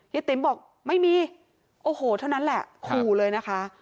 ติ๋มบอกไม่มีโอ้โหเท่านั้นแหละขู่เลยนะคะ